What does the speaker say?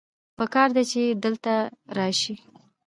پکار دی چې ته دلته راشې